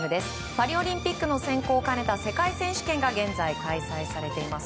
パリオリンピックの選考を兼ねた世界選手権が現在、開催されています。